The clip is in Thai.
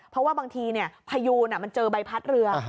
เพราะว่าบางทีพยูนมันเจอใบพัดเรือ